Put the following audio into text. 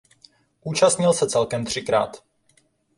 Účastnil se celkem třikrát.